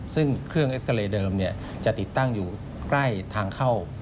ซึ่งเครื่องเอ็กซาเรย์เดิมจะติดตั้งอยู่ใกล้ทางเข้า